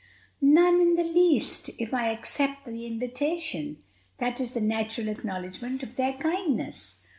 "None in the least if I accept the invitation. That is the natural acknowledgment of their kindness.